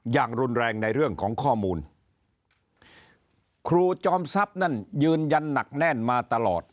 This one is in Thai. อย่างรุนแรงในเรื่องของข้อมูลครูจอมทรัพย์นั่นยืนยันหนักแน่นมาตลอด